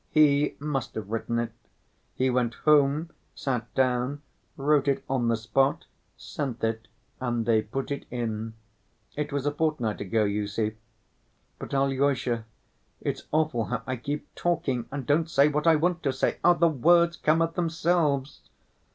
He must have written it. He went home, sat down, wrote it on the spot, sent it, and they put it in. It was a fortnight ago, you see. But, Alyosha, it's awful how I keep talking and don't say what I want to say. Ah! the words come of themselves!"